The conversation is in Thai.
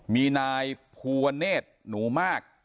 มีนายพุหวเนธหนูมาก